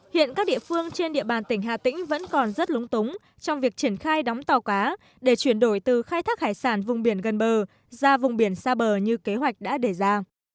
hiện các địa phương trên địa bàn tỉnh hà tĩnh vẫn còn rất lúng túng trong việc triển khai đóng tàu cá để chuyển đổi từ khai thác hải sản vùng biển gần bờ ra vùng biển xa bờ như kế hoạch đã đề ra